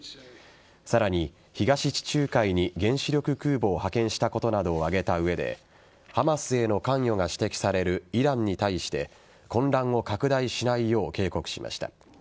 さらに、東地中海に原子力空母を派遣したことなどを挙げた上でハマスへの関与が指摘されるイランに対して混乱を拡大しないよう警告しました。